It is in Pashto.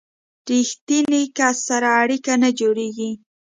ریښتیني کس سره اړیکه نه جوړیږي.